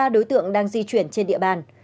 ba đối tượng đang di chuyển trên địa bàn